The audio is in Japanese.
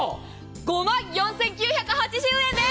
５万４９８０円です。